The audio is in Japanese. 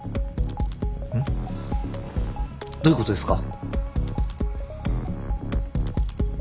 んっ？どういうことですか？